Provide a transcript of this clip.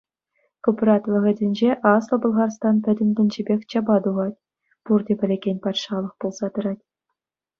Купрат вӑхӑтӗнче Аслӑ Пӑлхарстан пӗтӗм тӗнчипех чапа тухать, пурте пӗлекен патшалӑх пулса тӑрать.